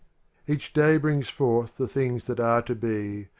Each day brings forth the things that are to be.